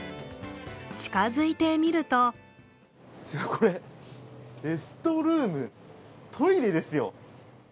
近づいてみるとこれ、レストルーム、トイレですよ。